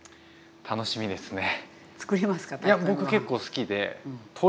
楽しみですね。